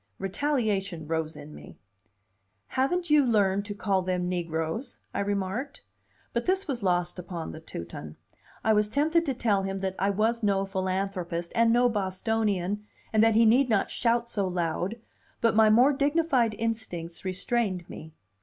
Retaliation rose in me. "Haven't you learned to call them negroes?" I remarked. But this was lost upon the Teuton. I was tempted to tell him that I was no philanthropist, and no Bostonian, and that he need not shout so loud, but my more dignified instincts restrained me.